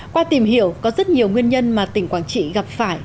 qua tìm hiểu có rất nhiều nguyên nhân mà tỉnh quảng trị gặp phải